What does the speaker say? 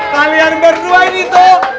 kalian berdua ini tuh